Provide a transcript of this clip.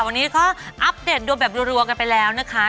วันนี้ก็อัปเดตดวงแบบรัวกันไปแล้วนะคะ